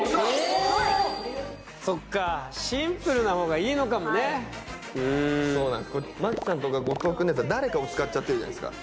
おおそっかシンプルな方がいいのかもねそうなんす麻貴ちゃんとか後藤君のやつは誰かを使っちゃってるじゃないですか